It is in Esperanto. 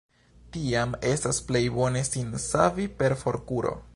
Tiam estas plej bone sin savi per forkuro.